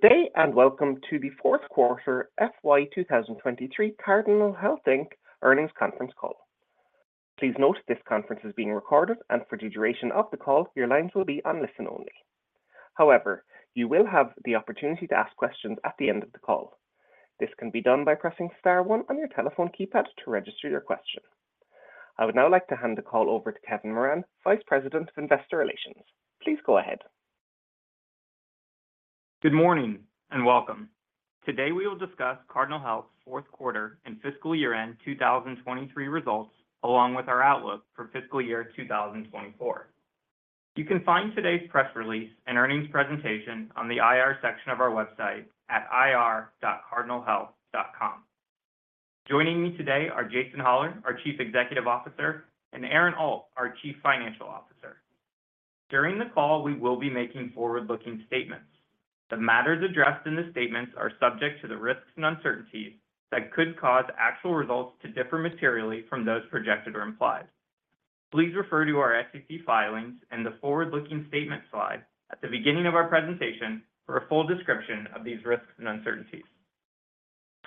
Good day, welcome to the fourth quarter FY 2023 Cardinal Health Inc. earnings conference call. Please note this conference is being recorded and for the duration of the call, your lines will be on listen-only. However, you will have the opportunity to ask questions at the end of the call. This can be done by pressing star one on your telephone keypad to register your question. I would now like to hand the call over to Kevin Moran, Vice President of Investor Relations. Please go ahead. Good morning, and welcome. Today, we will discuss Cardinal Health's fourth quarter and fiscal year-end 2023 results, along with our outlook for fiscal year 2024. You can find today's press release and earnings presentation on the IR section of our website at ir.cardinalhealth.com. Joining me today are Jason Hollar, our Chief Executive Officer, and Aaron Alt, our Chief Financial Officer. During the call, we will be making forward-looking statements. The matters addressed in the statements are subject to the risks and uncertainties that could cause actual results to differ materially from those projected or implied. Please refer to our SEC filings and the forward-looking statement slide at the beginning of our presentation for a full description of these risks and uncertainties.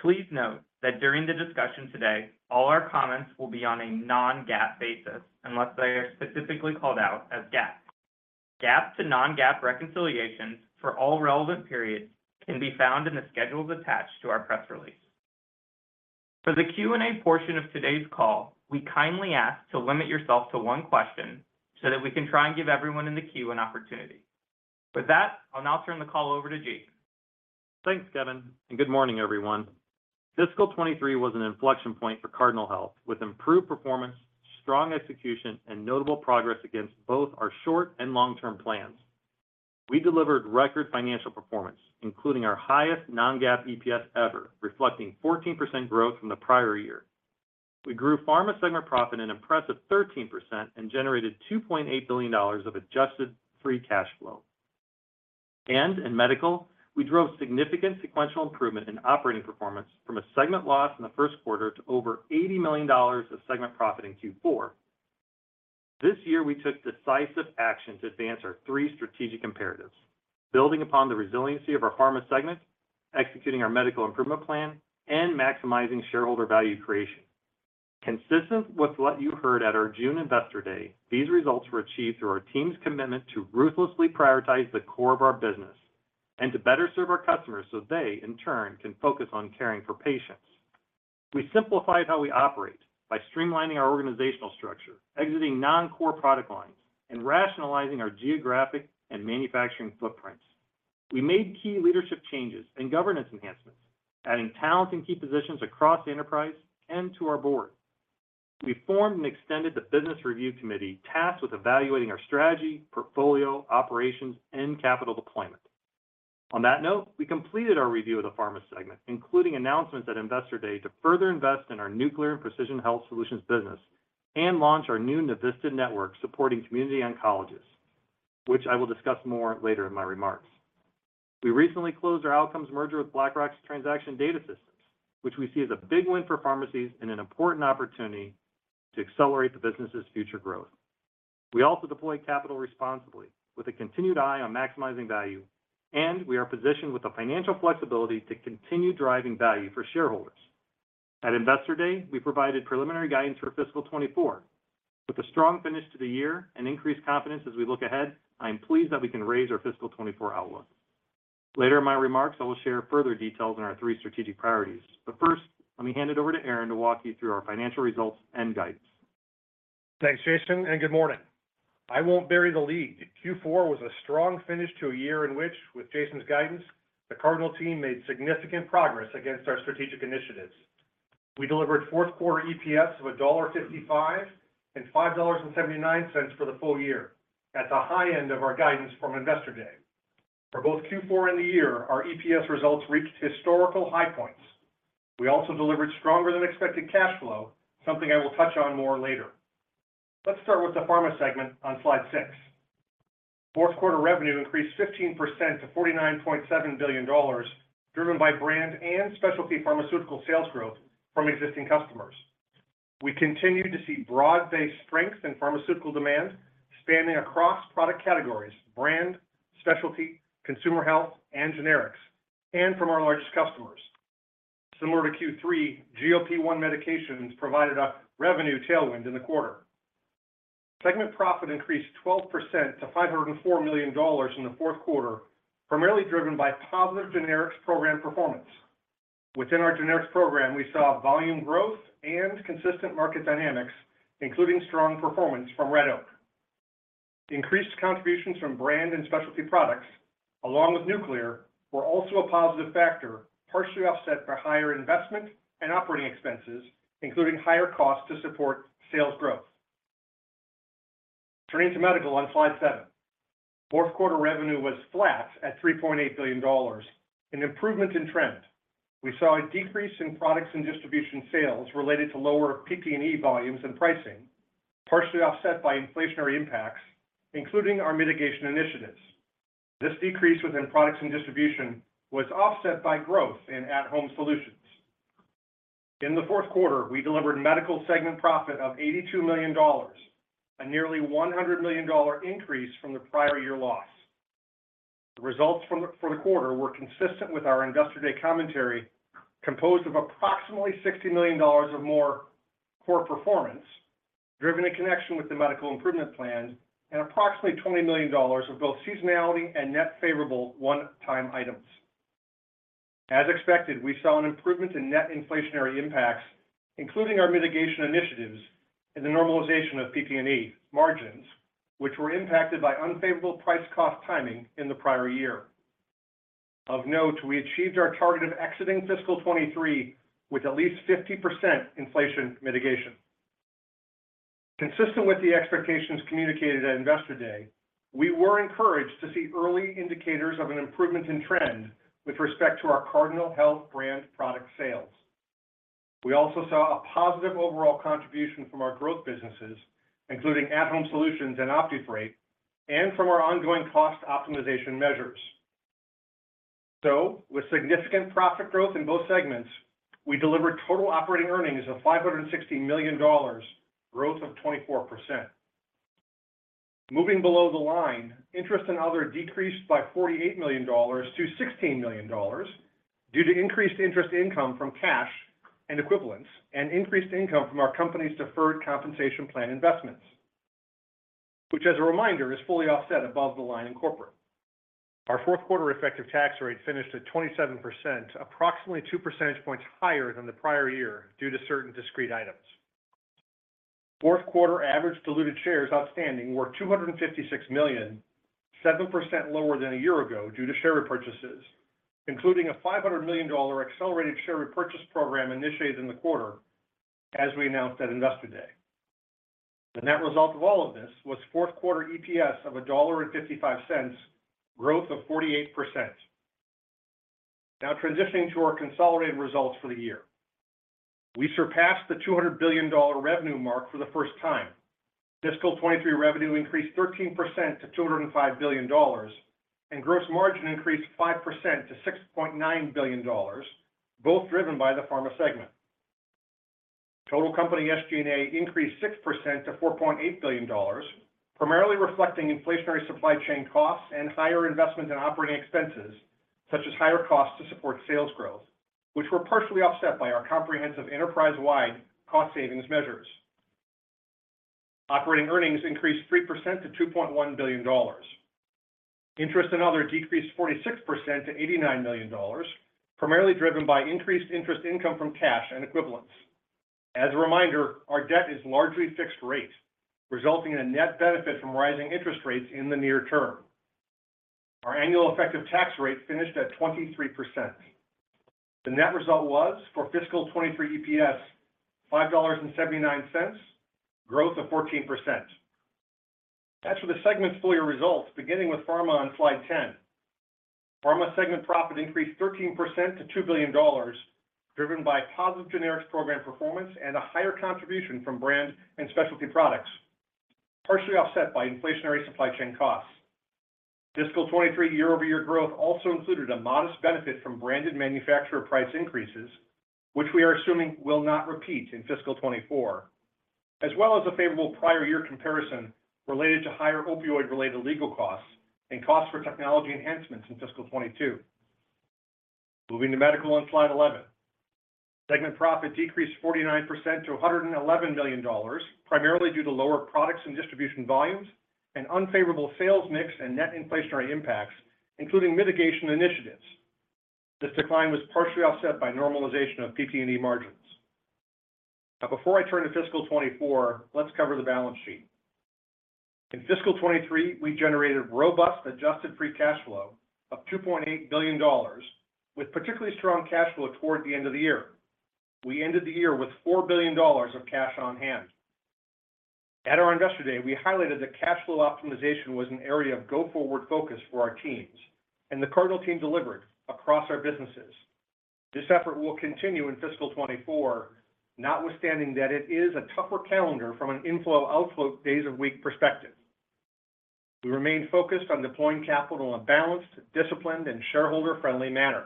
Please note that during the discussion today, all our comments will be on a non-GAAP basis, unless they are specifically called out as GAAP. GAAP to non-GAAP reconciliations for all relevant periods can be found in the schedules attached to our press release. For the Q&A portion of today's call, we kindly ask to limit yourself to one question so that we can try and give everyone in the queue an opportunity. With that, I'll now turn the call over to Jason. Thanks, Kevin. Good morning, everyone. Fiscal 2023 was an inflection point for Cardinal Health, with improved performance, strong execution, and notable progress against both our short and long-term plans. We delivered record financial performance, including our highest non-GAAP EPS ever, reflecting 14% growth from the prior year. We grew pharma segment profit an impressive 13% and generated $2.8 billion of adjusted free cash flow. In medical, we drove significant sequential improvement in operating performance from a segment loss in the first quarter to over $80 million of segment profit in Q4. This year, we took decisive action to advance our three strategic imperatives: building upon the resiliency of our pharma segment, executing our Medical Improvement Plan, and maximizing shareholder value creation. Consistent with what you heard at our June Investor Day, these results were achieved through our team's commitment to ruthlessly prioritize the core of our business and to better serve our customers so they, in turn, can focus on caring for patients. We simplified how we operate by streamlining our organizational structure, exiting non-core product lines, and rationalizing our geographic and manufacturing footprints. We made key leadership changes and governance enhancements, adding talent in key positions across the enterprise and to our board. We formed and extended the Business Review Committee tasked with evaluating our strategy, portfolio, operations, and capital deployment. On that note, we completed our review of the pharma segment, including announcements at Investor Day to further invest in our Nuclear and Precision Health Solutions business and launch our new Navista Network supporting community oncologists, which I will discuss more later in my remarks. We recently closed our Outcomes merger with Blackstone's Transaction Data Systems, which we see as a big win for pharmacies and an important opportunity to accelerate the business's future growth. We also deployed capital responsibly with a continued eye on maximizing value, and we are positioned with the financial flexibility to continue driving value for shareholders. At Investor Day, we provided preliminary guidance for fiscal 2024. With a strong finish to the year and increased confidence as we look ahead, I am pleased that we can raise our fiscal 2024 outlook. Later in my remarks, I will share further details on our three strategic priorities. First, let me hand it over to Aaron to walk you through our financial results and guidance. Thanks, Jason. Good morning. I won't bury the lead. Q4 was a strong finish to a year in which, with Jason's guidance, the Cardinal team made significant progress against our strategic initiatives. We delivered fourth quarter EPS of $1.55 and $5.79 for the full year, at the high end of our guidance from Investor Day. For both Q4 and the year, our EPS results reached historical high points. We also delivered stronger than expected cash flow, something I will touch on more later. Let's start with the pharma segment on slide 6. Fourth quarter revenue increased 15% to $49.7 billion, driven by brand and specialty pharmaceutical sales growth from existing customers. We continued to see broad-based strength in pharmaceutical demand, spanning across product categories, brand, specialty, consumer health, and generics, and from our largest customers. Similar to Q3, GLP-1 medications provided a revenue tailwind in the quarter. Segment profit increased 12% to $504 million in the fourth quarter, primarily driven by positive generics program performance. Within our generics program, we saw volume growth and consistent market dynamics, including strong performance from Red Oak. Increased contributions from brand and specialty products, along with nuclear, were also a positive factor, partially offset by higher investment and operating expenses, including higher costs to support sales growth. Turning to medical on slide 7. Fourth quarter revenue was flat at $3.8 billion, an improvement in trend. We saw a decrease in products and distribution sales related to lower PPE volumes and pricing, partially offset by inflationary impacts, including our mitigation initiatives. This decrease within products and distribution was offset by growth in At Home Solutions. In the fourth quarter, we delivered Medical segment profit of $82 million, a nearly $100 million increase from the prior year loss. The results for the quarter were consistent with our Investor Day commentary, composed of approximately $60 million or more core performance, driven in connection with the Medical Improvement Plan, and approximately $20 million of both seasonality and net favorable one-time items. As expected, we saw an improvement in net inflationary impacts, including our mitigation initiatives and the normalization of PPE margins, which were impacted by unfavorable price cost timing in the prior year. Of note, we achieved our target of exiting fiscal 2023 with at least 50% inflation mitigation. Consistent with the expectations communicated at Investor Day, we were encouraged to see early indicators of an improvement in trend with respect to our Cardinal Health Brand product sales. We also saw a positive overall contribution from our growth businesses, including At Home Solutions and OptiFreight, and from our ongoing cost optimization measures. With significant profit growth in both segments, we delivered total operating earnings of $560 million, growth of 24%. Moving below the line, interest and other decreased by $48 million to $16 million due to increased interest income from cash and equivalents, and increased income from our company's deferred compensation plan investments, which, as a reminder, is fully offset above the line in corporate. Our fourth quarter effective tax rate finished at 27%, approximately 2 percentage points higher than the prior year due to certain discrete items. Fourth quarter average diluted shares outstanding were 256 million, 7% lower than a year ago due to share repurchases, including a $500 million accelerated share repurchase program initiated in the quarter, as we announced at Investor Day. The net result of all of this was fourth quarter EPS of $1.55, growth of 48%. Transitioning to our consolidated results for the year. We surpassed the $200 billion revenue mark for the first time. Fiscal 2023 revenue increased 13% to $205 billion, and gross margin increased 5% to $6.9 billion, both driven by the pharma segment. Total company SG&A increased 6% to $4.8 billion, primarily reflecting inflationary supply chain costs and higher investment in operating expenses, such as higher costs to support sales growth, which were partially offset by our comprehensive enterprise-wide cost savings measures. Operating earnings increased 3% to $2.1 billion. Interest and other decreased 46% to $89 million, primarily driven by increased interest income from cash and equivalents. As a reminder, our debt is largely fixed rate, resulting in a net benefit from rising interest rates in the near term. Our annual effective tax rate finished at 23%. The net result was, for fiscal 2023 EPS, $5.79, growth of 14%. As for the segment's full year results, beginning with pharma on slide 10. Pharma segment profit increased 13% to $2 billion, driven by positive generics program performance and a higher contribution from brand and specialty products, partially offset by inflationary supply chain costs. Fiscal 2023 year-over-year growth also included a modest benefit from branded manufacturer price increases, which we are assuming will not repeat in fiscal 2024, as well as a favorable prior year comparison related to higher opioid-related legal costs and costs for technology enhancements in fiscal 2022. Moving to medical on slide 11. Segment profit decreased 49% to $111 million, primarily due to lower products and distribution volumes and unfavorable sales mix and net inflationary impacts, including mitigation initiatives. This decline was partially offset by normalization of PPE margins. Before I turn to fiscal 2024, let's cover the balance sheet. In fiscal 2023, we generated robust adjusted free cash flow of $2.8 billion, with particularly strong cash flow toward the end of the year. We ended the year with $4 billion of cash on hand. At our Investor Day, we highlighted that cash flow optimization was an area of go-forward focus for our teams, and the Cardinal team delivered across our businesses. This effort will continue in fiscal 2024, notwithstanding that it is a tougher calendar from an inflow, outflow, days of week perspective. We remain focused on deploying capital in a balanced, disciplined, and shareholder-friendly manner.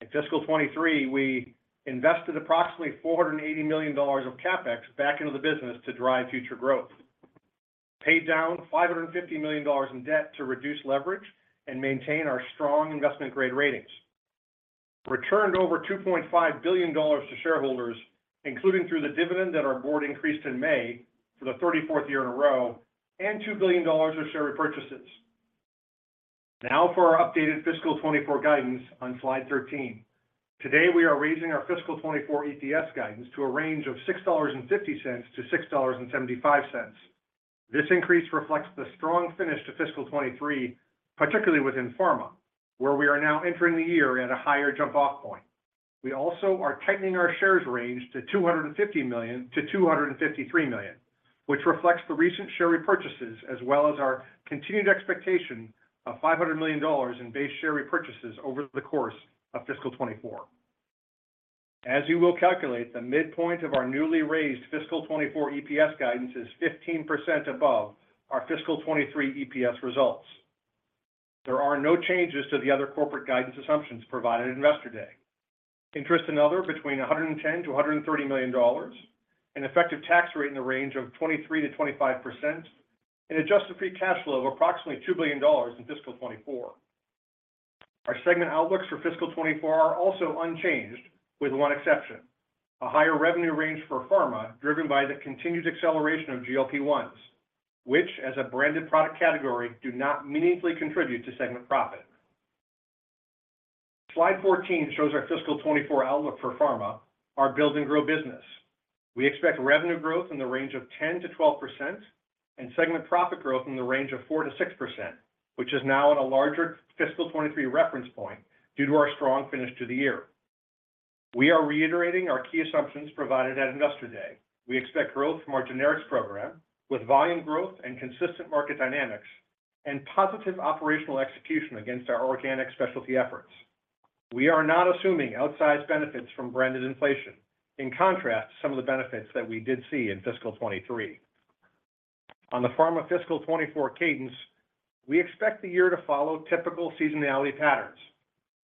In fiscal 2023, we invested approximately $480 million of CapEx back into the business to drive future growth, paid down $550 million in debt to reduce leverage and maintain our strong investment-grade ratings, returned over $2.5 billion to shareholders, including through the dividend that our board increased in May for the 34th year in a row, and $2 billion of share repurchases. For our updated fiscal 2024 guidance on slide 13. Today, we are raising our fiscal 2024 EPS guidance to a range of $6.50-$6.75. This increase reflects the strong finish to fiscal 2023, particularly within pharma, where we are now entering the year at a higher jump-off point. We also are tightening our shares range to 250 million-253 million, which reflects the recent share repurchases as well as our continued expectation of $500 million in base share repurchases over the course of fiscal 2024. As you will calculate, the midpoint of our newly raised fiscal 2024 EPS guidance is 15% above our fiscal 2023 EPS results. There are no changes to the other corporate guidance assumptions provided at Investor Day. Interest and other, between $110 million to $130 million, an effective tax rate in the range of 23%-25%, and adjusted free cash flow of approximately $2 billion in fiscal 2024. Our segment outlooks for fiscal 2024 are also unchanged, with one exception, a higher revenue range for Pharma, driven by the continued acceleration of GLP-1s, which, as a branded product category, do not meaningfully contribute to segment profit. Slide 14 shows our fiscal 2024 outlook for Pharma, our build and grow business. We expect revenue growth in the range of 10%-12% and segment profit growth in the range of 4%-6%, which is now at a larger fiscal 2023 reference point due to our strong finish to the year. We are reiterating our key assumptions provided at Investor Day. We expect growth from our generics program, with volume growth and consistent market dynamics, and positive operational execution against our organic specialty efforts. We are not assuming outsized benefits from branded inflation, in contrast to some of the benefits that we did see in fiscal 2023. On the pharma fiscal 2024 cadence, we expect the year to follow typical seasonality patterns.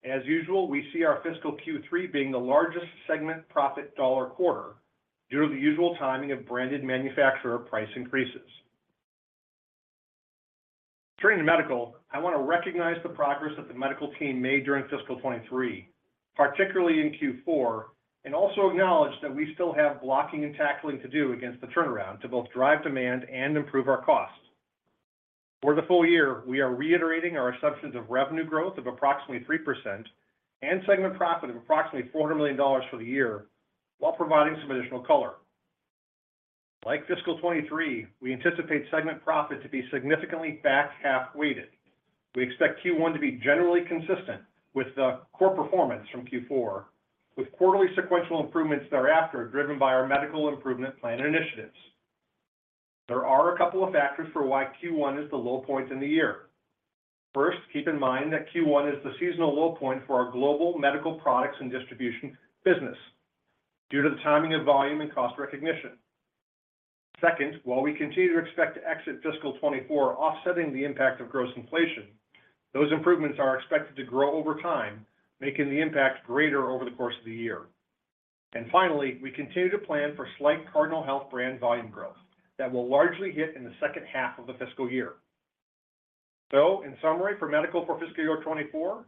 As usual, we see our fiscal Q3 being the largest segment profit dollar quarter due to the usual timing of branded manufacturer price increases. Turning to Medical, I want to recognize the progress that the Medical team made during fiscal 2023, particularly in Q4, and also acknowledge that we still have blocking and tackling to do against the turnaround to both drive demand and improve our costs. For the full-year, we are reiterating our assumptions of revenue growth of approximately 3% and segment profit of approximately $400 million for the year, while providing some additional color. Like fiscal 2023, we anticipate segment profit to be significantly back-half weighted. We expect Q1 to be generally consistent with the core performance from Q4, with quarterly sequential improvements thereafter, driven by our Medical Improvement Plan initiatives. There are a couple of factors for why Q1 is the low point in the year. Keep in mind that Q1 is the seasonal low point for our global medical products and distribution business due to the timing of volume and cost recognition. While we continue to expect to exit fiscal 2024, offsetting the impact of gross inflation, those improvements are expected to grow over time, making the impact greater over the course of the year. Finally, we continue to plan for slight Cardinal Health Brand volume growth that will largely hit in the second half of the fiscal year. In summary, for Medical for fiscal year 2024,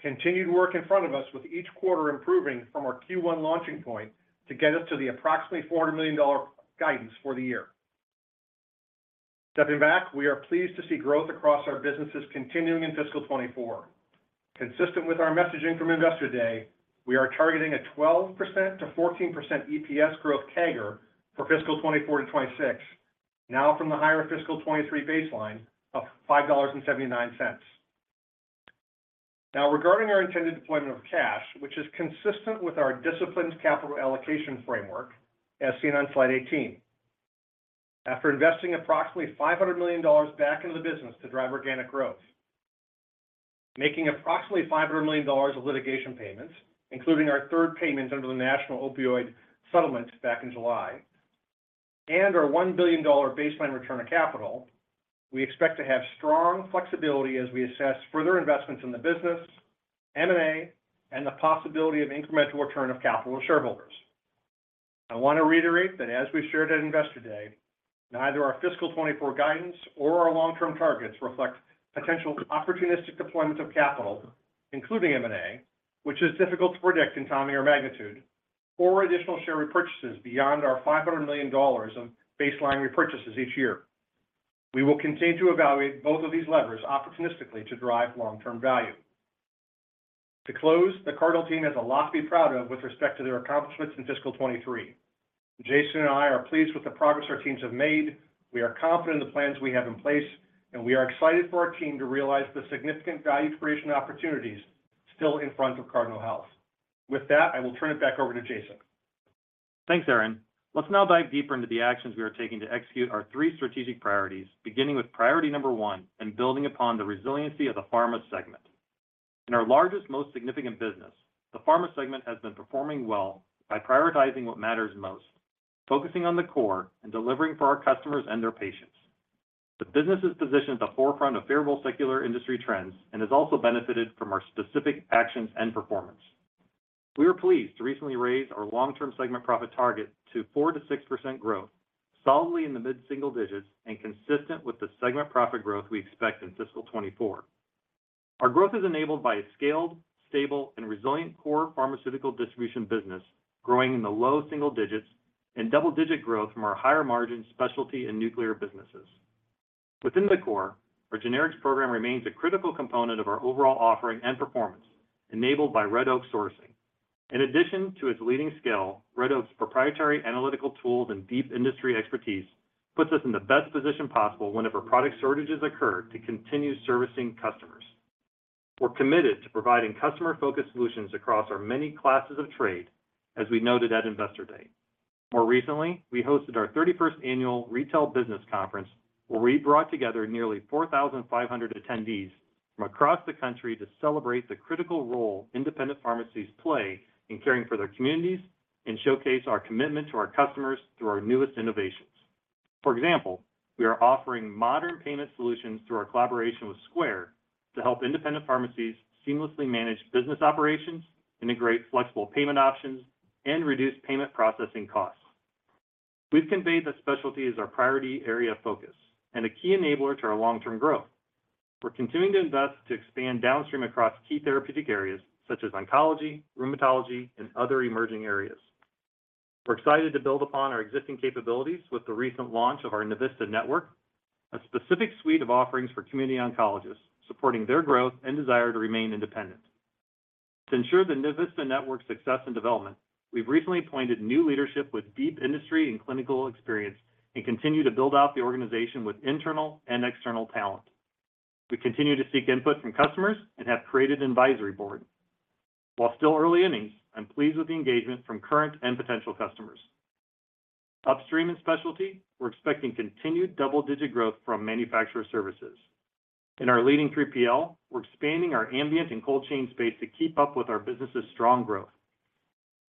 continued work in front of us with each quarter improving from our Q1 launching point to get us to the approximately $400 million guidance for the year. Stepping back, we are pleased to see growth across our businesses continuing in fiscal 2024. Consistent with our messaging from Investor Day, we are targeting a 12%-14% EPS growth CAGR for fiscal 2024-2026, now from the higher fiscal 2023 baseline of $5.79. Regarding our intended deployment of cash, which is consistent with our disciplined capital allocation framework, as seen on slide 18. After investing approximately $500 million back into the business to drive organic growth, making approximately $500 million of litigation payments, including our third payment under the National Opioid Settlement back in July, and our $1 billion baseline return of capital, we expect to have strong flexibility as we assess further investments in the business, M&A, and the possibility of incremental return of capital to shareholders. I want to reiterate that, as we've shared at Investor Day, neither our fiscal 24 guidance or our long-term targets reflect potential opportunistic deployments of capital, including M&A, which is difficult to predict in timing or magnitude, or additional share repurchases beyond our $500 million of baseline repurchases each year. We will continue to evaluate both of these levers opportunistically to drive long-term value. To close, the Cardinal team has a lot to be proud of with respect to their accomplishments in fiscal 23. Jason and I are pleased with the progress our teams have made. We are confident in the plans we have in place, and we are excited for our team to realize the significant value creation opportunities still in front of Cardinal Health. With that, I will turn it back over to Jason. Thanks, Aaron. Let's now dive deeper into the actions we are taking to execute our three strategic priorities, beginning with priority number one, and building upon the resiliency of the Pharma segment. In our largest, most significant business, the Pharma segment has been performing well by prioritizing what matters most, focusing on the core, and delivering for our customers and their patients. The business is positioned at the forefront of favorable secular industry trends and has also benefited from our specific actions and performance. We were pleased to recently raise our long-term segment profit target to 4%-6% growth, solidly in the mid-single digits and consistent with the segment profit growth we expect in fiscal 2024. Our growth is enabled by a scaled, stable, and resilient core pharmaceutical distribution business, growing in the low single digits and double-digit growth from our higher-margin specialty and Nuclear businesses. Within the core, our generics program remains a critical component of our overall offering and performance, enabled by Red Oak Sourcing. In addition to its leading scale, Red Oak's proprietary analytical tools and deep industry expertise puts us in the best position possible whenever product shortages occur to continue servicing customers. We're committed to providing customer-focused solutions across our many classes of trade, as we noted at Investor Day. More recently, we hosted our 31st annual Retail Business Conference, where we brought together nearly 4,500 attendees from across the country to celebrate the critical role independent pharmacies play in caring for their communities and showcase our commitment to our customers through our newest innovations. For example, we are offering modern payment solutions through our collaboration with Square to help independent pharmacies seamlessly manage business operations, integrate flexible payment options, and reduce payment processing costs. We've conveyed that specialty is our priority area of focus and a key enabler to our long-term growth. We're continuing to invest to expand downstream across key therapeutic areas such as oncology, rheumatology, and other emerging areas. We're excited to build upon our existing capabilities with the recent launch of our Navista Network, a specific suite of offerings for community oncologists, supporting their growth and desire to remain independent. To ensure the Navista Network's success and development, we've recently appointed new leadership with deep industry and clinical experience, and continue to build out the organization with internal and external talent. We continue to seek input from customers and have created an advisory board. While still early innings, I'm pleased with the engagement from current and potential customers. Upstream and specialty, we're expecting continued double-digit growth from manufacturer services. In our leading 3PL, we're expanding our ambient and cold chain space to keep up with our business's strong growth.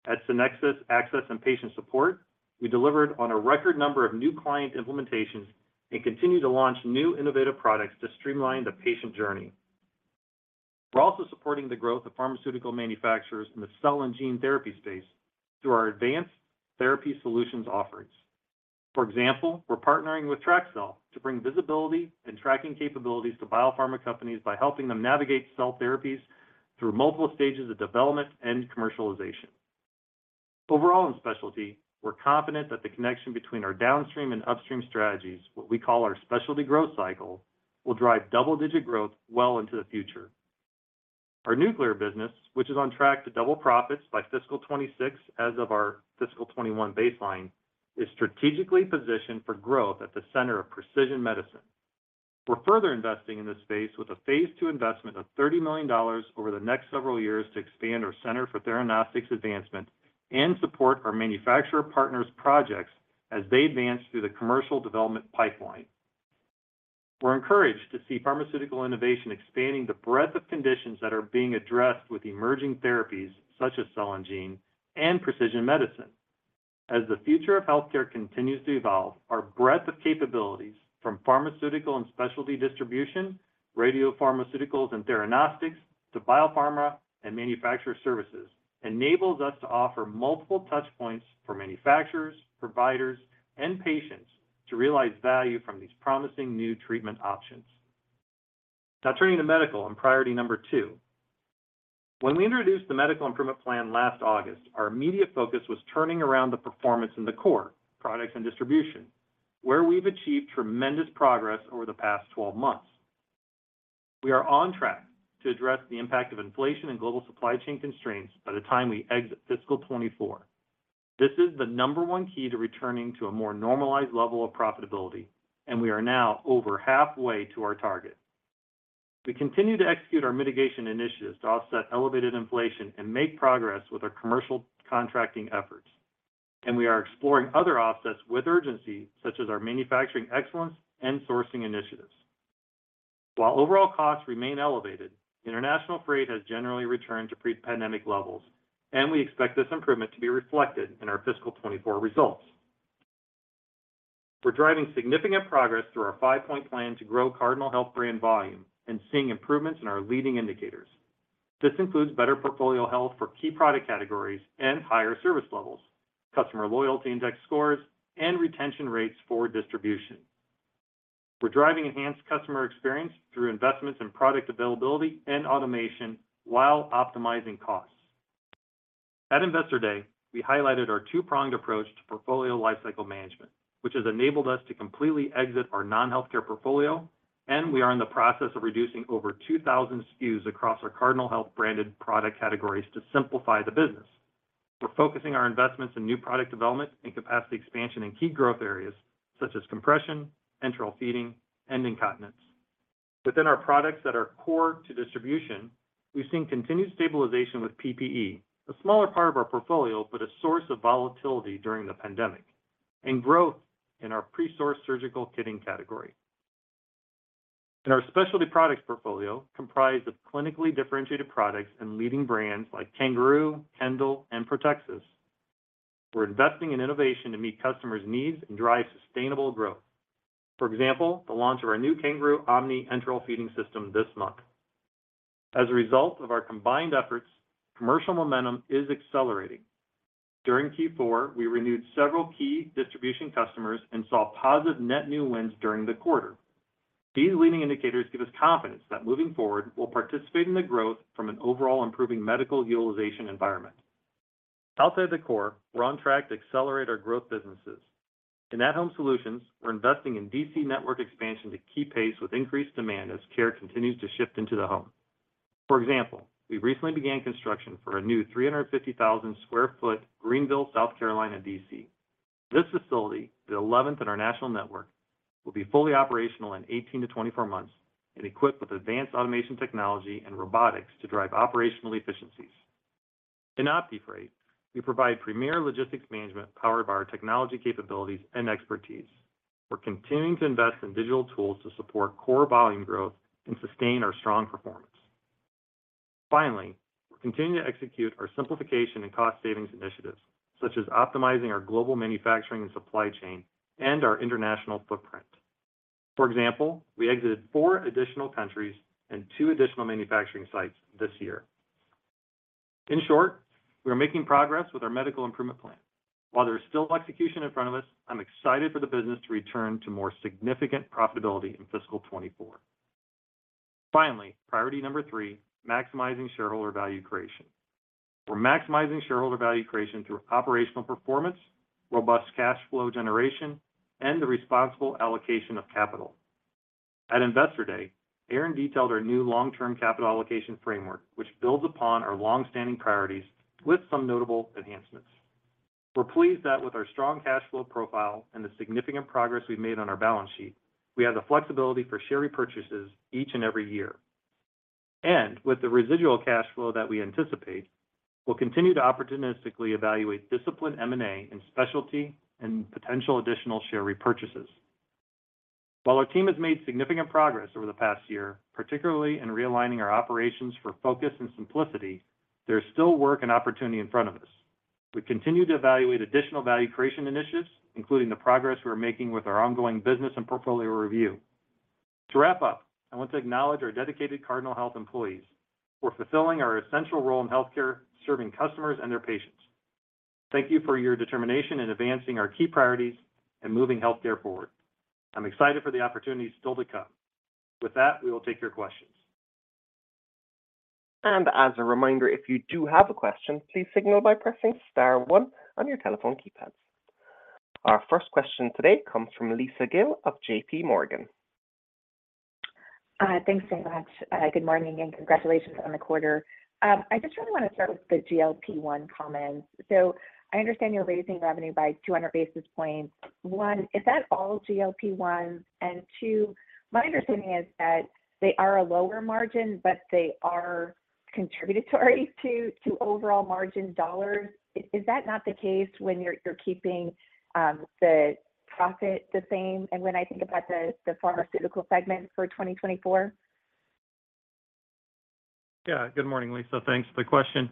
At Sonexus Access and Patient Support, we delivered on a record number of new client implementations and continue to launch new innovative products to streamline the patient journey. We're also supporting the growth of pharmaceutical manufacturers in the cell and gene therapy space through our Advanced Therapy Solutions offerings. For example, we're partnering with TrakCel to bring visibility and tracking capabilities to biopharma companies by helping them navigate cell therapies through multiple stages of development and commercialization. Overall, in specialty, we're confident that the connection between our downstream and upstream strategies, what we call our specialty growth cycle, will drive double-digit growth well into the future. Our nuclear business, which is on track to double profits by fiscal 2026 as of our fiscal 2021 baseline, is strategically positioned for growth at the center of precision medicine. We're further investing in this space with a phase two investment of $30 million over the next several years to expand our Center for Theranostics Advancement and support our manufacturer partners' projects as they advance through the commercial development pipeline. We're encouraged to see pharmaceutical innovation expanding the breadth of conditions that are being addressed with emerging therapies such as cell and gene and precision medicine. As the future of healthcare continues to evolve, our breadth of capabilities from pharmaceutical and specialty distribution, radiopharmaceuticals, and theranostics, to biopharma and manufacturer services, enables us to offer multiple touch points for manufacturers, providers, and patients to realize value from these promising new treatment options. Now turning to Medical and priority number two. When we introduced the Medical Improvement Plan last August, our immediate focus was turning around the performance in the core, products and distribution, where we've achieved tremendous progress over the past 12 months. We are on track to address the impact of inflation and global supply chain constraints by the time we exit fiscal 2024. This is the number one key to returning to a more normalized level of profitability, and we are now over halfway to our target. We continue to execute our mitigation initiatives to offset elevated inflation and make progress with our commercial contracting efforts, and we are exploring other offsets with urgency, such as our manufacturing excellence and sourcing initiatives. While overall costs remain elevated, international freight has generally returned to pre-pandemic levels, and we expect this improvement to be reflected in our fiscal 2024 results. We're driving significant progress through our five-point plan to grow Cardinal Health Brand volume and seeing improvements in our leading indicators. This includes better portfolio health for key product categories and higher service levels, customer loyalty index scores, and retention rates for distribution. We're driving enhanced customer experience through investments in product availability and automation while optimizing costs. At Investor Day, we highlighted our two-pronged approach to portfolio lifecycle management, which has enabled us to completely exit our non-healthcare portfolio. We are in the process of reducing over 2,000 SKUs across our Cardinal Health branded product categories to simplify the business. We're focusing our investments in new product development and capacity expansion in key growth areas such as compression, enteral feeding, and incontinence. Within our products that are core to distribution, we've seen continued stabilization with PPE, a smaller part of our portfolio, but a source of volatility during the pandemic, and growth in our pre-sourced surgical kitting category. In our specialty products portfolio, comprised of clinically differentiated products and leading brands like Kangaroo, Kendall, and Protexis, we're investing in innovation to meet customers' needs and drive sustainable growth. For example, the launch of our new Kangaroo OMNI enteral feeding system this month. As a result of our combined efforts, commercial momentum is accelerating. During Q4, we renewed several key distribution customers and saw positive net new wins during the quarter. These leading indicators give us confidence that moving forward, we'll participate in the growth from an overall improving medical utilization environment. Outside the core, we're on track to accelerate our growth businesses. In At-Home Solutions, we're investing in D.C. network expansion to keep pace with increased demand as care continues to shift into the home. For example, we recently began construction for a new 350,000 sq ft Greenville, South Carolina, D.C. This facility, the 11th in our national network, will be fully operational in 18 to 24 months and equipped with advanced automation technology and robotics to drive operational efficiencies. In OptiFreight, we provide premier logistics management powered by our technology capabilities and expertise. We're continuing to invest in digital tools to support core volume growth and sustain our strong performance. We're continuing to execute our simplification and cost savings initiatives, such as optimizing our global manufacturing and supply chain and our international footprint. For example, we exited four additional countries and two additional manufacturing sites this year. In short, we are making progres with our Medical Improvement Plan. While there is still execution in front of us, I'm excited for the business to return to more significant profitability in fiscal 2024. Finally, priority number three, maximizing shareholder value creation. We're maximizing shareholder value creation through operational performance, robust cash flow generation, and the responsible allocation of capital. At Investor Day, Aaron detailed our new long-term capital allocation framework, which builds upon our long-standing priorities with some notable enhancements. We're pleased that with our strong cash flow profile and the significant progress we've made on our balance sheet, we have the flexibility for share repurchases each and every year. With the residual cash flow that we anticipate, we'll continue to opportunistically evaluate disciplined M&A in specialty and potential additional share repurchases. While our team has made significant progress over the past year, particularly in realigning our operations for focus and simplicity, there is still work and opportunity in front of us. We continue to evaluate additional value creation initiatives, including the progress we're making with our ongoing business and portfolio review. To wrap up, I want to acknowledge our dedicated Cardinal Health employees. We're fulfilling our essential role in healthcare, serving customers and their patients. Thank you for your determination in advancing our key priorities and moving healthcare forward. I'm excited for the opportunities still to come. With that, we will take your questions. As a reminder, if you do have a question, please signal by pressing star one on your telephone keypad. Our first question today comes from Lisa Gill of J.P. Morgan. Thanks so much. Good morning, congratulations on the quarter. I just really wanna start with the GLP-1 comments. I understand you're raising revenue by 200 basis points. One, is that all GLP-1? Two, my understanding is that they are a lower margin, but they are contributory to overall margin dollars. Is that not the case when you're keeping the profit the same, and when I think about the pharmaceutical segment for 2024? Yeah, good morning, Lisa. Thanks for the question.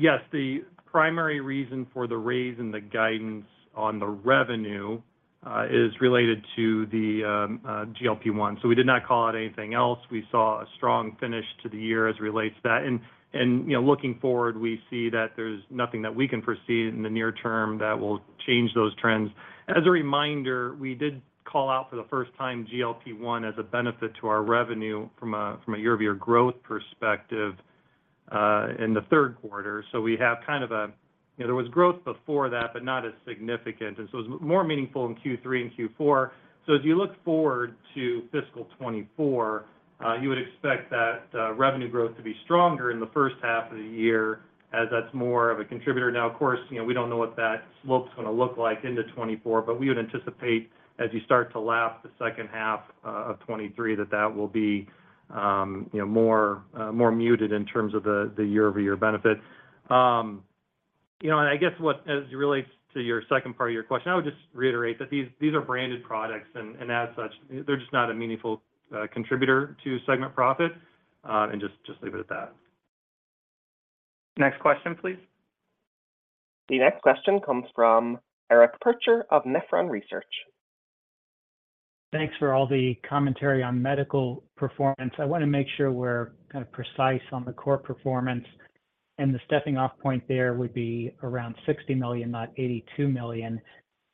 Yes, the primary reason for the raise in the guidance on the revenue is related to the GLP-1. We did not call out anything else. We saw a strong finish to the year as it relates to that, and, you know, looking forward, we see that there's nothing that we can foresee in the near term that will change those trends. As a reminder, we did call out for the first time GLP-1 as a benefit to our revenue from a year-over-year growth perspective in the third quarter. You know, there was growth before that, but not as significant, and so it was more meaningful in Q3 and Q4. As you look forward to fiscal 2024, you would expect that revenue growth to be stronger in the first half of the year, as that's more of a contributor. Now, of course, you know, we don't know what that slope's gonna look like into 2024, but we would anticipate, as you start to lap the second half of 2023, that that will be, you know, more, more muted in terms of the, the year-over-year benefit. You know, and I guess what, as it relates to your second part of your question, I would just reiterate that these, these are branded products, and, and as such, they're just not a meaningful contributor to segment profit, and just leave it at that. Next question, please. The next question comes from Eric Percher of Nephron Research. Thanks for all the commentary on Medical performance. I wanna make sure we're kind of precise on the core performance, and the stepping off point there would be around $60 million, not $82 million.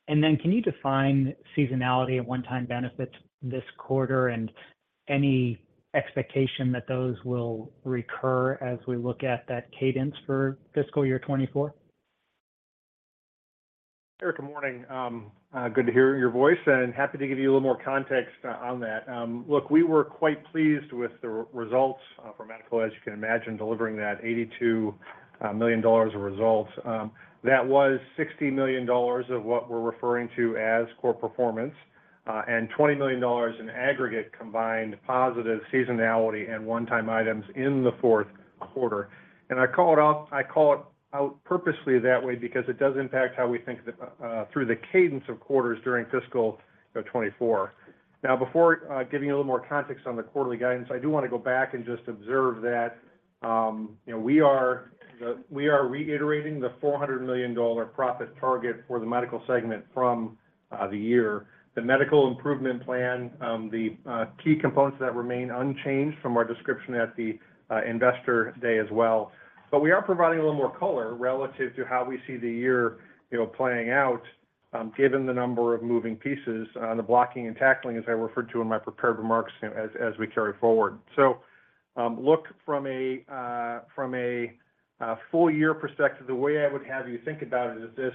Then, can you define seasonality of one-time benefits this quarter and any expectation that those will recur as we look at that cadence for fiscal year 2024? Eric, good morning. Good to hear your voice, and happy to give you a little more context on that. Look, we were quite pleased with the results for Medical, as you can imagine, delivering that $82 million of results. That was $60 million of what we're referring to as core performance, and $20 million in aggregate combined positive seasonality and one-time items in the fourth quarter. I call it out, I call it out purposely that way because it does impact how we think through the cadence of quarters during fiscal, you know, 2024. Now, before giving you a little more context on the quarterly guidance, I do want to go back and just observe that, you know, we are reiterating the $400 million profit target for the Medical segment from the year. The Medical Improvement Plan, the key components that remain unchanged from our description at the Investor Day as well. We are providing a little more color relative to how we see the year, you know, playing out, given the number of moving pieces and the blocking and tackling, as I referred to in my prepared remarks, you know, as, as we carry forward. Look, from a, from a, a full year perspective, the way I would have you think about it is this: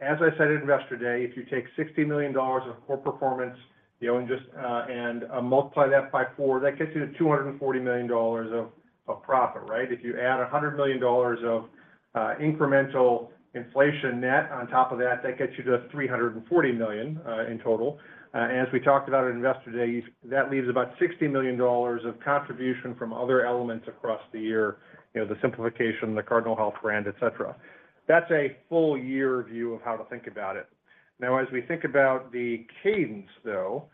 As I said at Investor Day, if you take $60 million of core performance, you know, and just, and multiply that by four, that gets you to $240 million of profit, right? If you add $100 million of incremental inflation net on top of that, that gets you to $340 million in total. As we talked about at Investor Day, that leaves about $60 million of contribution from other elements across the year. You know, the simplification, the Cardinal Health Brand, et cetera. That's a full year view of how to think about it. Now, as we think about the cadence, though,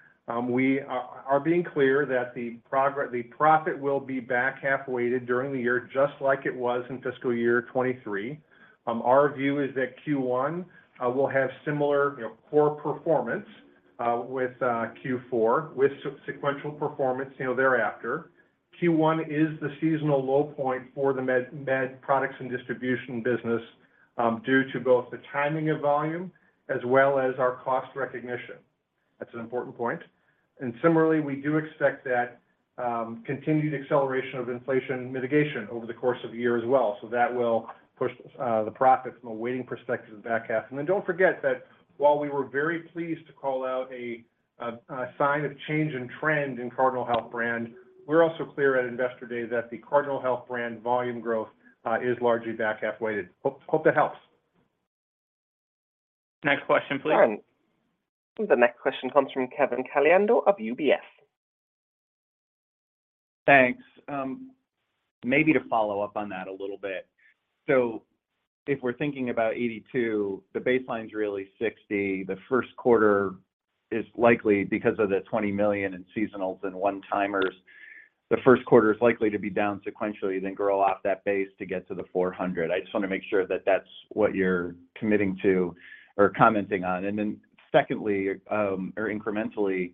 we are being clear that the profit will be back half-weighted during the year, just like it was in fiscal year 2023. Our view is that Q1 will have similar, you know, core performance, with Q4, with sequential performance, you know, thereafter. Q1 is the seasonal low point for the med products and distribution business, due to both the timing of volume as well as our cost recognition. That's an important point. Similarly, we do expect that continued acceleration of inflation mitigation over the course of the year as well. That will push the profit from a waiting perspective back half. Don't forget that while we were very pleased to call out a sign of change in trend in Cardinal Health Brand, we're also clear at Investor Day that the Cardinal Health Brand volume growth is largely back half-weighted. Hope, hope that helps. Next question, please. The next question comes from Kevin Caliendo of UBS. Thanks. Maybe to follow up on that a little bit. If we're thinking about $82 million, the baseline's really $60 million. The first quarter is likely because of the $20 million in seasonals and one-timers, the first quarter is likely to be down sequentially, then grow off that base to get to the $400 million. I just wanna make sure that that's what you're committing to or commenting on. Then secondly, or incrementally,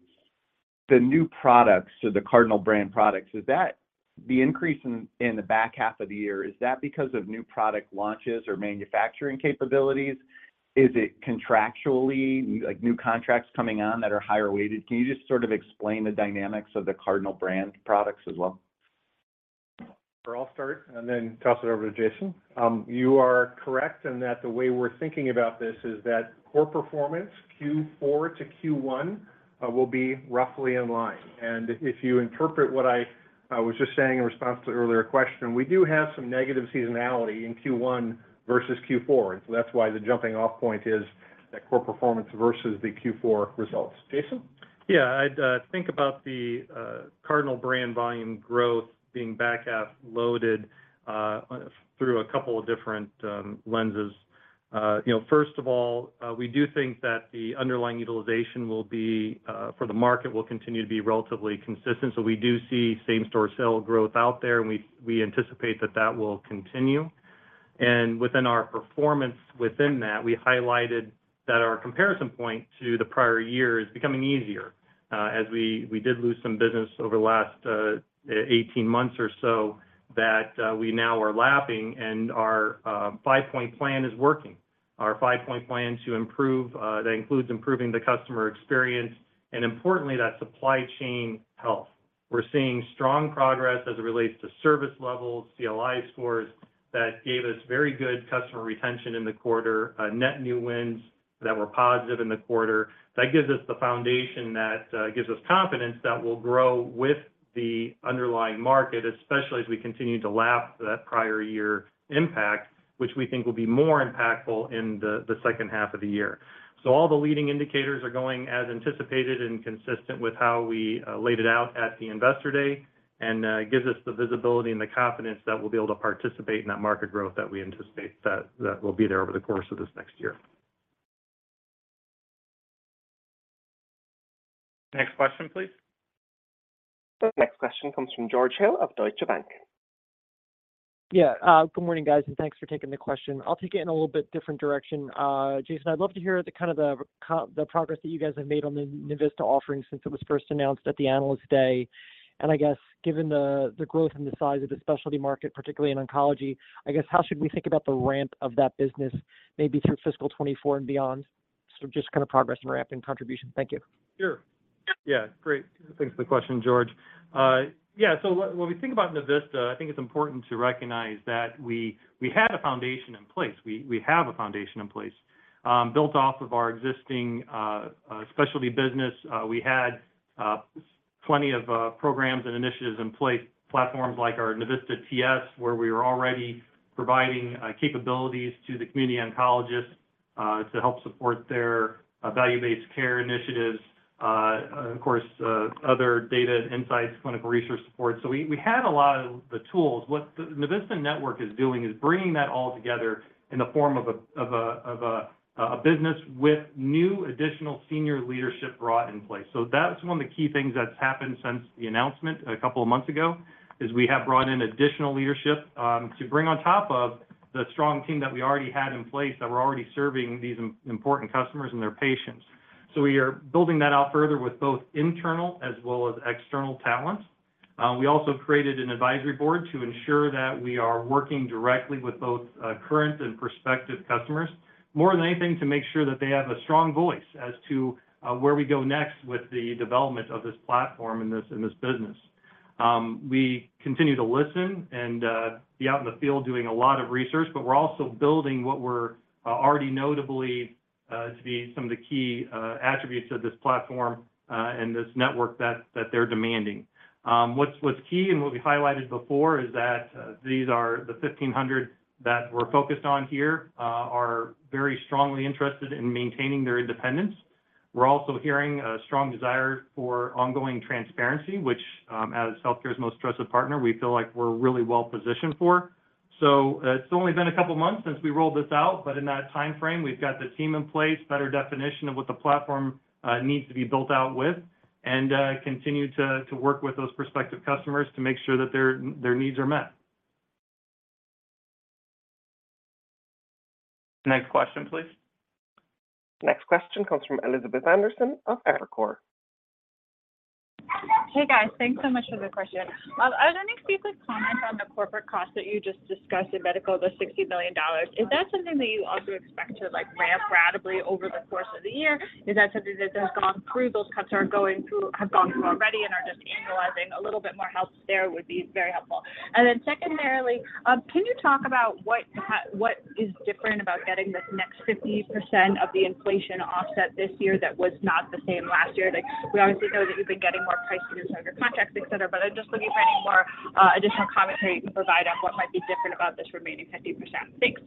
the new products, so the Cardinal Brand products, is that the increase in, in the back half of the year, is that because of new product launches or manufacturing capabilities? Is it contractually, like, new contracts coming on that are higher weighted? Can you just sort of explain the dynamics of the Cardinal Brand products as well? Sure, I'll start and then toss it over to Jason. You are correct in that the way we're thinking about this is that core performance, Q4 to Q1, will be roughly in line. If you interpret what I, I was just saying in response to the earlier question, we do have some negative seasonality in Q1 versus Q4. That's why the jumping off point is that core performance versus the Q4 results. Jason? Yeah, I'd think about the Cardinal brand volume growth being back half loaded through a couple of different lenses. You know, first of all, we do think that the underlying utilization will be for the market, will continue to be relatively consistent. We do see same-store sale growth out there, and we, we anticipate that that will continue. Within our performance within that, we highlighted that our comparison point to the prior year is becoming easier, as we, we did lose some business over the last 18 months or so that we now are lapping, and our five-point plan is working. Our five-point plan to improve that includes improving the customer experience, and importantly, that supply chain health. We're seeing strong progress as it relates to service levels, CLI scores, that gave us very good customer retention in the quarter, net new wins that were positive in the quarter. That gives us the foundation that gives us confidence that we'll grow with the underlying market, especially as we continue to lap that prior year impact, which we think will be more impactful in the, the second half of the year. All the leading indicators are going as anticipated and consistent with how we laid it out at the Investor Day, and it gives us the visibility and the confidence that we'll be able to participate in that market growth that we anticipate that, that will be there over the course of this next year. Next question, please. The next question comes from George Hill of Deutsche Bank. Yeah, good morning, guys, and thanks for taking the question. I'll take it in a little bit different direction. Jason, I'd love to hear the kind of the progress that you guys have made on the Navista offering since it was first announced at the Investor Day. I guess, given the growth and the size of the specialty market, particularly in oncology, I guess, how should we think about the ramp of that business, maybe through fiscal 2024 and beyond? Just kind of progress and ramp and contribution. Thank you. Sure. Yeah, great. Thanks for the question, George. Yeah, so when we think about Navista, I think it's important to recognize that we, we had a foundation in place. We, we have a foundation in place, built off of our existing specialty business. We had plenty of programs and initiatives in place, platforms like our Navista TS, where we were already providing capabilities to the community oncologists to help support their value-based care initiatives, of course, other data insights, clinical research support. We had a lot of the tools. What the Navista Network is doing is bringing that all together in the form of a business with new additional senior leadership brought in place. That's one of the key things that's happened since the announcement a couple months ago, is we have brought in additional leadership to bring on top of the strong team that we already had in place, that were already serving these important customers and their patients. We are building that out further with both internal as well as external talent. We also created an advisory board to ensure that we are working directly with both current and prospective customers, more than anything, to make sure that they have a strong voice as to where we go next with the development of this platform and this, and this business. We continue to listen and be out in the field doing a lot of research. We're also building what we're already notably to be some of the key attributes of this platform and this network that they're demanding. What's key and what we highlighted before is that these are the 1,500 that we're focused on here are very strongly interested in maintaining their independence. We're also hearing a strong desire for ongoing transparency, which as healthcare's most trusted partner, we feel like we're really well positioned for. It's only been a couple months since we rolled this out, but in that timeframe, we've got the team in place, better definition of what the platform needs to be built out with, and continue to, to work with those prospective customers to make sure that their, their needs are met. Next question, please. Next question comes from Elizabeth Anderson of Evercore. Hey, guys. Thanks so much for the question. I was wondering if you could comment on the corporate cost that you just discussed in medical, the $60 million. Is that something that you also expect to ramp ratably over the course of the year? Is that something that has gone through, have gone through already and are just annualizing? A little bit more help there would be very helpful. Secondarily, can you talk about what is different about getting this next 50% of the inflation offset this year that was not the same last year? We obviously know that you've been getting more pricing inside your contracts, et cetera, but I'm just looking for any more additional commentary you can provide on what might be different about this remaining 50%. Thanks.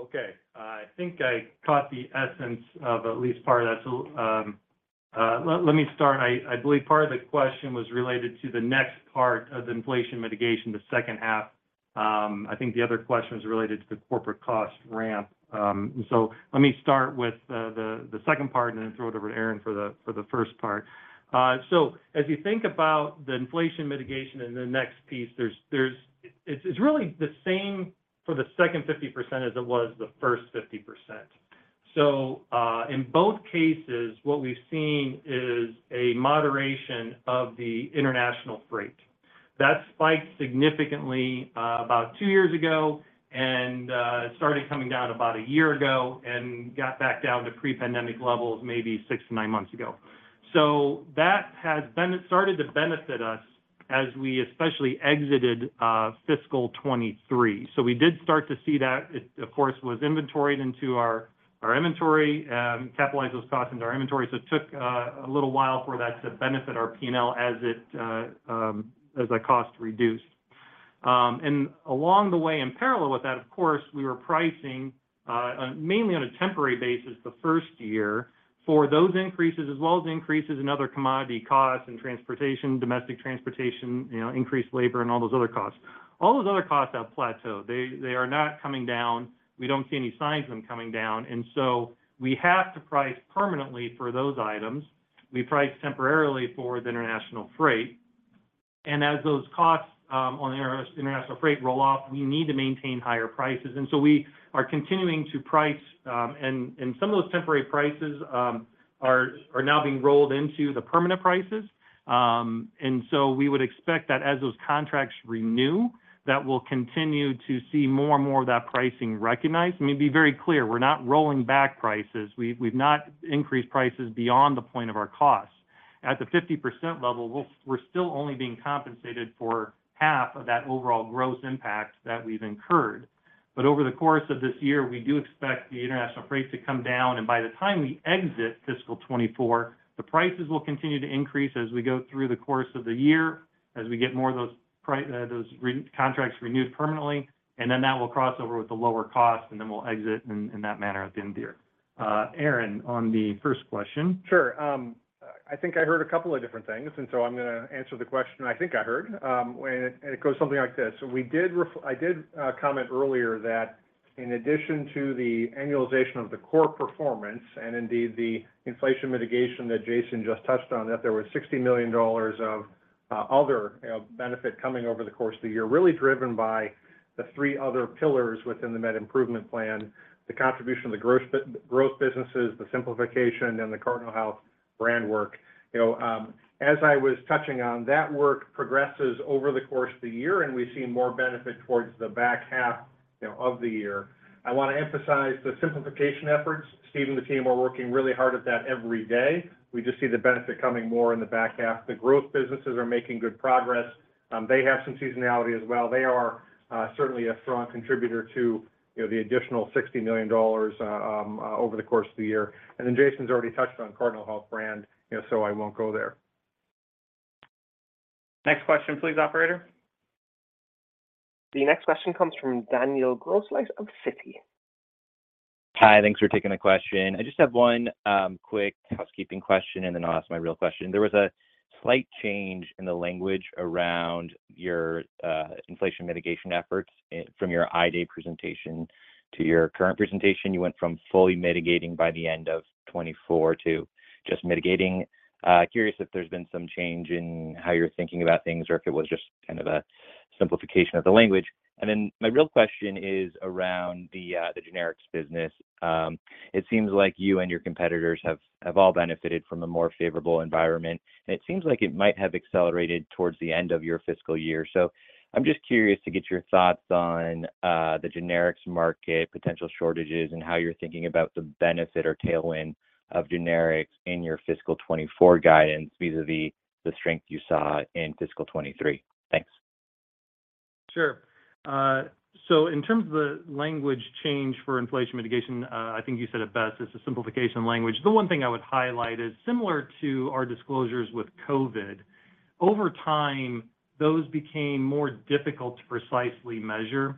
Okay, I think I caught the essence of at least part of that, so, let me start. I believe part of the question was related to the next part of the inflation mitigation, the second half. I think the other question is related to the corporate cost ramp. Let me start with the second part and then throw it over to Aaron for the first part. As you think about the inflation mitigation and the next piece, it's really the same for the second 50% as it was the first 50%. In both cases, what we've seen is a moderation of the international freight. That spiked significantly, about two years ago, and it started coming down about one year ago and got back down to pre-pandemic levels, maybe six-nine months ago. That has started to benefit us as we especially exited, fiscal 2023. We did start to see that. It, of course, was inventoried into our, our inventory, capitalized those costs into our inventory, so it took a little while for that to benefit our P&L as it as that cost reduced. Along the way, in parallel with that, of course, we were pricing, mainly on a temporary basis the first year, for those increases, as well as increases in other commodity costs and transportation, domestic transportation, you know, increased labor and all those other costs. All those other costs have plateaued. They, they are not coming down. We don't see any signs of them coming down, so we have to price permanently for those items. We price temporarily for the international freight. As those costs on the international freight roll off, we need to maintain higher prices, so we are continuing to price, and some of those temporary prices are now being rolled into the permanent prices. We would expect that as those contracts renew, that we'll continue to see more and more of that pricing recognized. Let me be very clear, we're not rolling back prices. We've, we've not increased prices beyond the point of our costs. At the 50% level, we're, we're still only being compensated for half of that overall gross impact that we've incurred. Over the course of this year, we do expect the international freight to come down, and by the time we exit fiscal 2024, the prices will continue to increase as we go through the course of the year, as we get more of those pri- those re- contracts renewed permanently, and then that will cross over with the lower cost, and then we'll exit in, in that manner at the end of the year. Aaron, on the first question? Sure. I think I heard a couple of different things, and so I'm gonna answer the question I think I heard. It, and it goes something like this: We did I did comment earlier that in addition to the annualization of the core performance, and indeed, the inflation mitigation that Jason just touched on, that there was $60 million of other benefit coming over the course of the year, really driven by the three other pillars within the Medical Improvement Plan, the contribution of the growth businesses, the simplification, and the Cardinal Health Brand work. You know, as I was touching on, that work progresses over the course of the year, and we've seen more benefit towards the back half, you know, of the year. I want to emphasize the simplification efforts. Steve and the team are working really hard at that every day. We just see the benefit coming more in the back half. The growth businesses are making good progress. They have some seasonality as well. They are certainly a strong contributor to, you know, the additional $60 million over the course of the year. Jason's already touched on Cardinal Health Brand, so I won't go there. Next question, please, operator. The next question comes from Daniel Grosslight of Citi. Hi, thanks for taking the question. I just have one quick housekeeping question, then I'll ask my real question. There was a slight change in the language around your inflation mitigation efforts. From your Investor Day presentation to your current presentation, you went from fully mitigating by the end of 2024 to just mitigating. Curious if there's been some change in how you're thinking about things, or if it was just kind of a simplification of the language. Then my real question is around the generics business. It seems like you and your competitors have all benefited from a more favorable environment, and it seems like it might have accelerated towards the end of your fiscal year. I'm just curious to get your thoughts on the generics market, potential shortages, and how you're thinking about the benefit or tailwind of generics in your fiscal 2024 guidance vis-a-vis the strength you saw in fiscal 2023? Thanks. Sure. In terms of the language change for inflation mitigation, I think you said it best. It's a simplification of language. The one thing I would highlight is similar to our disclosures with COVID, over time, those became more difficult to precisely measure.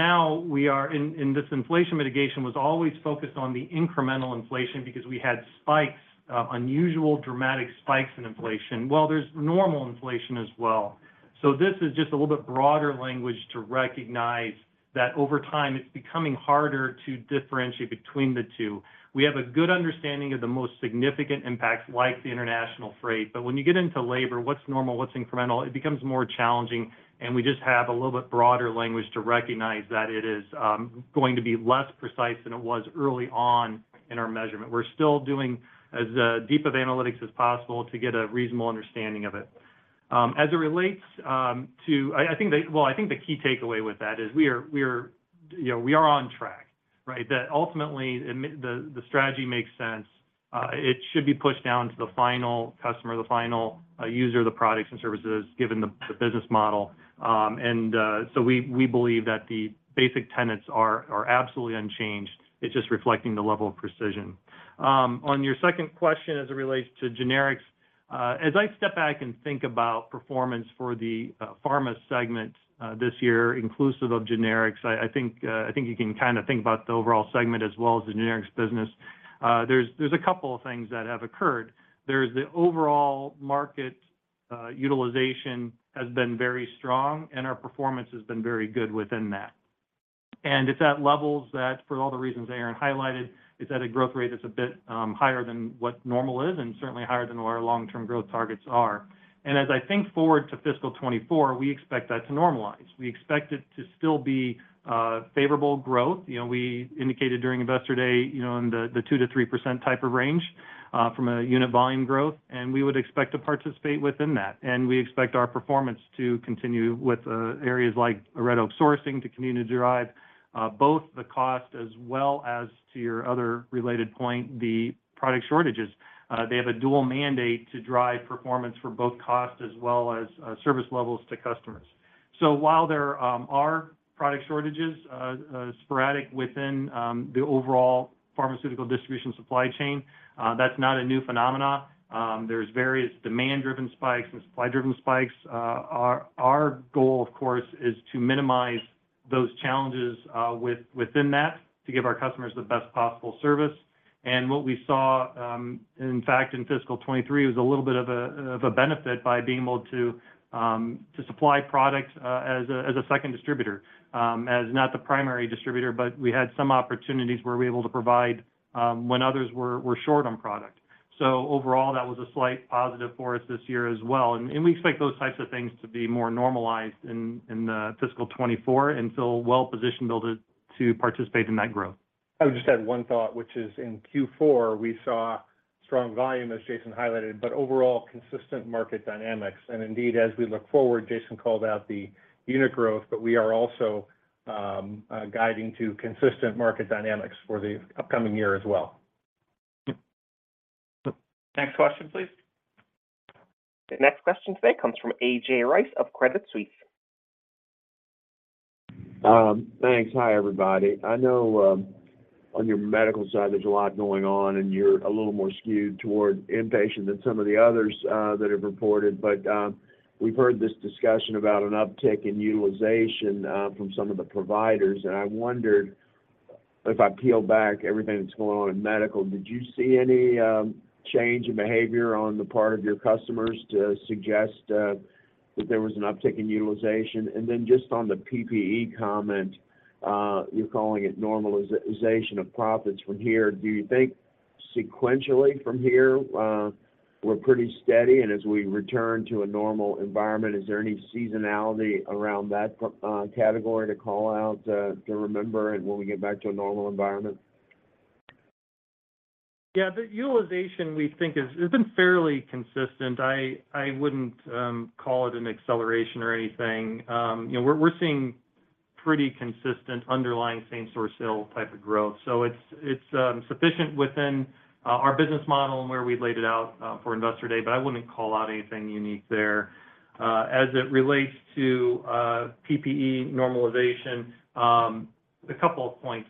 How we are in this inflation mitigation was always focused on the incremental inflation because we had spikes, unusual, dramatic spikes in inflation. Well, there's normal inflation as well. This is just a little bit broader language to recognize that over time, it's becoming harder to differentiate between the two. We have a good understanding of the most significant impacts, like the international freight, but when you get into labor, what's normal, what's incremental, it becomes more challenging, and we just have a little bit broader language to recognize that it is going to be less precise than it was early on in our measurement. We're still doing as deep of analytics as possible to get a reasonable understanding of it. As it relates, well, I think the key takeaway with that is we are, we are, you know, we are on track, right? That ultimately, the strategy makes sense. It should be pushed down to the final customer, the final user of the products and services, given the business model. We, we believe that the basic tenets are, are absolutely unchanged. It's just reflecting the level of precision. On your second question, as it relates to generics, as I step back and think about performance for the pharma segment, this year, inclusive of generics, I think, I think you can kind of think about the overall segment as well as the generics business. There's, there's a couple of things that have occurred. There's the overall market, utilization has been very strong, our performance has been very good within that. It's at levels that, for all the reasons Aaron highlighted, it's at a growth rate that's a bit higher than what normal is, and certainly higher than what our long-term growth targets are. As I think forward to fiscal 2024, we expect that to normalize. We expect it to still be favorable growth. You know, we indicated during Investor Day, you know, in the, the 2%-3% type of range from a unit volume growth, and we would expect to participate within that. We expect our performance to continue with areas like Red Oak Sourcing to continue to drive both the cost, as well as, to your other related point, the product shortages. They have a dual mandate to drive performance for both cost as well as service levels to customers. While there are product shortages sporadic within the overall pharmaceutical distribution supply chain, that's not a new phenomena. There's various demand-driven spikes and supply-driven spikes. Our, our goal, of course, is to minimize those challenges within that, to give our customers the best possible service. What we saw, in fact, in fiscal 2023, was a little bit of a benefit by being able to, to supply product, as a, as a second distributor. As not the primary distributor, but we had some opportunities where we were able to provide, when others were, were short on product. Overall, that was a slight positive for us this year as well, and, and we expect those types of things to be more normalized in, in, fiscal 2024, and feel well positioned to, to participate in that growth. I would just add one thought, which is in Q4, we saw strong volume, as Jason highlighted, but overall, consistent market dynamics. Indeed, as we look forward, Jason called out the unit growth, but we are also guiding to consistent market dynamics for the upcoming year as well. Next question, please. The next question today comes from A.J. Rice of Credit Suisse. Thanks. Hi, everybody. I know, on your medical side, there's a lot going on, and you're a little more skewed toward inpatient than some of the others that have reported. We've heard this discussion about an uptick in utilization from some of the providers, and I wondered if I peel back everything that's going on in medical, did you see any change in behavior on the part of your customers to suggest that there was an uptick in utilization? Then just on the PPE comment, you're calling it normalization of profits from here. Do you think sequentially from here, we're pretty steady, and as we return to a normal environment, is there any seasonality around that category to call out to remember, and when we get back to a normal environment? Yeah, the utilization, we think, is- has been fairly consistent. I, I wouldn't call it an acceleration or anything. You know, we're, we're seeing pretty consistent underlying same-source sale type of growth. It's, it's sufficient within our business model and where we've laid it out for Investor Day, but I wouldn't call out anything unique there. As it relates to PPE normalization, two points.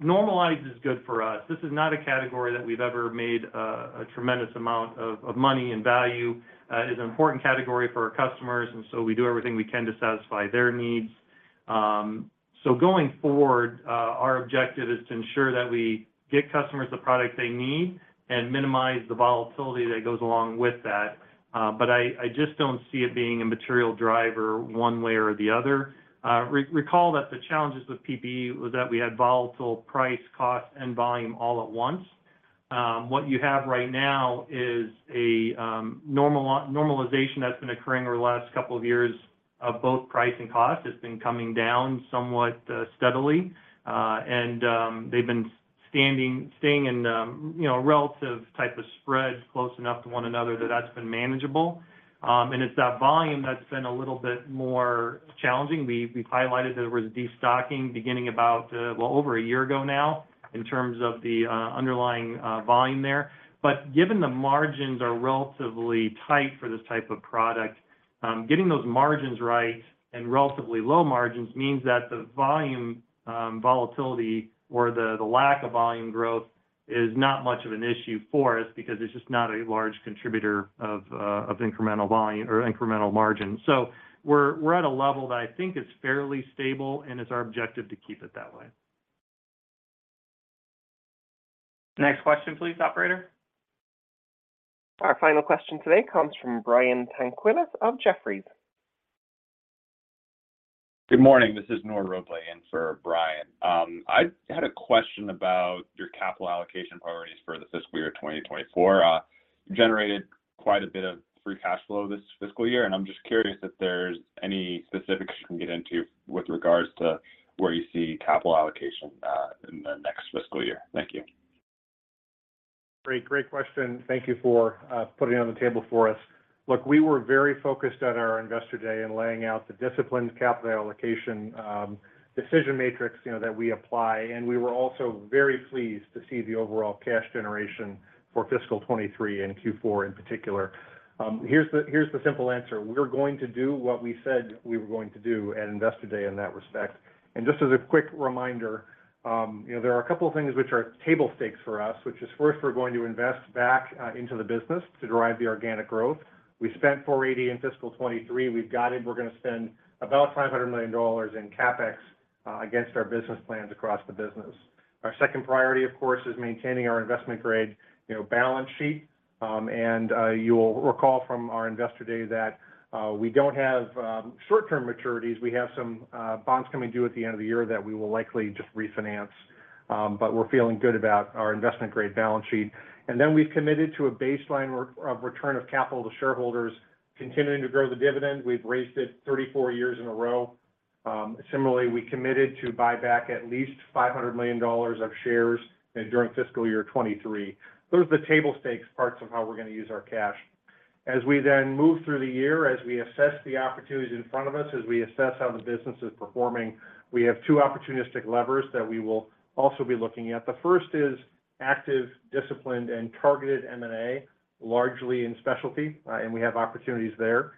Normalized is good for us. This is not a category that we've ever made a tremendous amount of money and value. It's an important category for our customers, and so we do everything we can to satisfy their needs. Going forward, our objective is to ensure that we get customers the product they need and minimize the volatility that goes along with that. I just don't see it being a material driver one way or the other. Recall that the challenges with PPE was that we had volatile price, cost, and volume all at once. What you have right now is a normalization that's been occurring over the last couple of years of both price and cost. It's been coming down somewhat steadily. They've been standing, staying in, you know, relative type of spreads, close enough to one another that that's been manageable. It's that volume that's been a little bit more challenging. We've, we've highlighted there was a destocking beginning about, well, over a year ago now, in terms of the underlying volume there. Given the margins are relatively tight for this type of product, getting those margins right, and relatively low margins, means that the volume, volatility or the, the lack of volume growth is not much of an issue for us because it's just not a large contributor of incremental volume or incremental margin. We're, we're at a level that I think is fairly stable, and it's our objective to keep it that way. Next question, please, operator. Our final question today comes from Brian Tanquilut of Jefferies. Good morning, this is Nora Rabe in for Brian. I had a question about your capital allocation priorities for the fiscal year 2024. You generated quite a bit of free cash flow this fiscal year, and I'm just curious if there's any specifics you can get into with regards to where you see capital allocation in the next fiscal year. Thank you. Great, great question. Thank you for putting it on the table for us. Look, we were very focused at our Investor Day in laying out the disciplined capital allocation decision matrix, you know, that we apply. We were also very pleased to see the overall cash generation for fiscal 2023 and Q4 in particular. Here's the simple answer: we're going to do what we said we were going to do at Investor Day in that respect. Just as a quick reminder, you know, there are a couple of things which are table stakes for us, which is first, we're going to invest back into the business to drive the organic growth. We spent $480 million in fiscal 2023. We've guided we're gonna spend about $500 million in CapEx against our business plans across the business. Our second priority, of course, is maintaining our investment-grade, you know, balance sheet. You'll recall from our Investor Day that we don't have short-term maturities. We have some bonds coming due at the end of the year that we will likely just refinance, but we're feeling good about our investment-grade balance sheet. Then we've committed to a baseline return of capital to shareholders, continuing to grow the dividend. We've raised it 34 years in a row. Similarly, we committed to buy back at least $500 million of shares during fiscal year 2023. Those are the table stakes parts of how we're gonna use our cash. As we then move through the year, as we assess the opportunities in front of us, as we assess how the business is performing, we have two opportunistic levers that we will also be looking at. The first is active, disciplined, and targeted M&A, largely in specialty, and we have opportunities there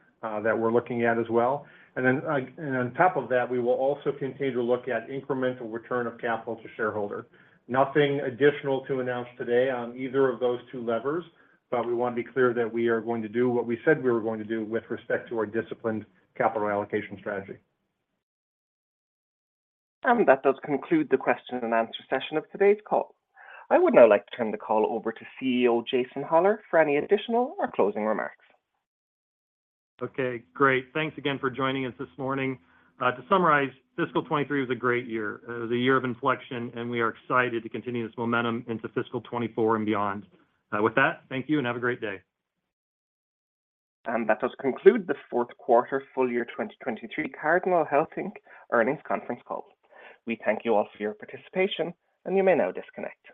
that we're looking at as well. Then, on top of that, we will also continue to look at incremental return of capital to shareholder. Nothing additional to announce today on either of those two levers, we want to be clear that we are going to do what we said we were going to do with respect to our disciplined capital allocation strategy. That does conclude the question-and-answer session of today's call. I would now like to turn the call over to CEO Jason Hollar for any additional or closing remarks. Okay, great. Thanks again for joining us this morning. To summarize, fiscal 2023 was a great year. It was a year of inflection. We are excited to continue this momentum into fiscal 2024 and beyond. With that, thank you. Have a great day. That does conclude the fourth quarter full year 2023 Cardinal Health Inc. earnings conference call. We thank you all for your participation, and you may now disconnect.